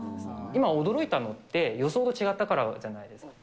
今、驚いたのって、予想と違ったからじゃないですか。